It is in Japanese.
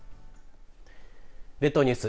列島ニュース